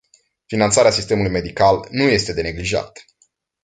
Finanțarea sistemului medical nu este de neglijat.